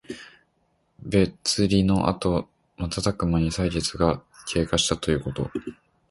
別離のあとまたたくまに歳月が経過したということ。